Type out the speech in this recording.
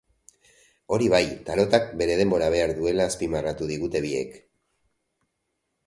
Hori bai, tarotak bere denbora behar duela azpimarratu digute biek.